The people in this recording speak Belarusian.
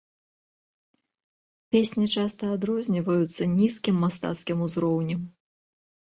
Песні часта адрозніваюцца нізкім мастацкім узроўнем.